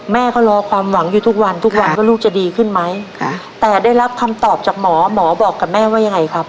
แม่ก็รอความหวังอยู่ทุกวันทุกวันว่าลูกจะดีขึ้นไหมแต่ได้รับคำตอบจากหมอหมอบอกกับแม่ว่ายังไงครับ